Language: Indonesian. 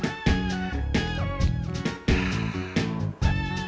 makasih ya makasih